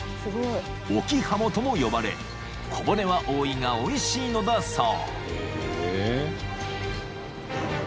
［沖ハモとも呼ばれ小骨は多いがおいしいのだそう］